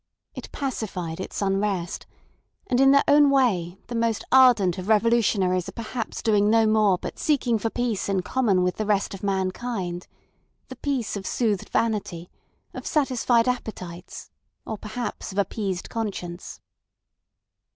It pacified its unrest; and in their own way the most ardent of revolutionaries are perhaps doing no more but seeking for peace in common with the rest of mankind—the peace of soothed vanity, of satisfied appetites, or perhaps of appeased conscience.